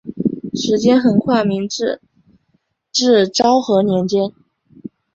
时间横跨明治至昭和年间。